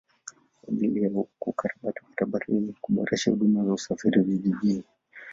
Kwa ajili ya kukarabati barabara ili kuboresha huduma za usafiri vijijini